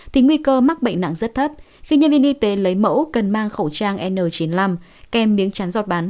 thì nguy cơ mắc bệnh nặng rất thấp khi nhân viên y tế lấy mẫu cần mang khẩu trang n chín mươi năm kèm miếng chán giọt bắn